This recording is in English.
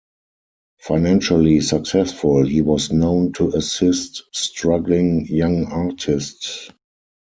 Financially successful, he was known to assist struggling young artists.